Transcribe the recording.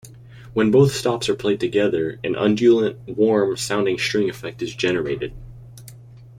When both stops are played together an undulant, warm sounding string effect is generated.